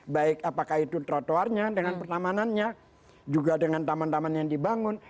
baik apakah itu trotoarnya dengan pertamanannya juga dengan taman taman yang dibangun